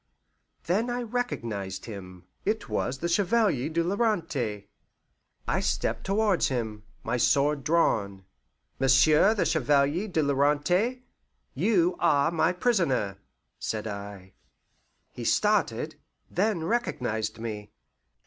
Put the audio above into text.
Then I recognized him. It was the Chevalier de la Darante. I stepped towards him, my sword drawn. "Monsieur the Chevalier de la Darante, you are my prisoner," said I. He started, then recognized me.